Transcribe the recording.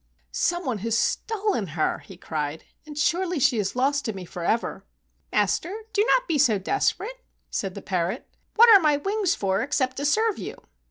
"Some one has stolen her," he cried, "and surely she is lost to me forever." "Master, do not be so desperate," said the parrot. "What are my wings for except to serve you.